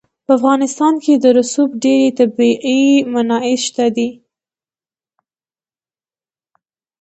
په افغانستان کې د رسوب ډېرې طبیعي منابع شته دي.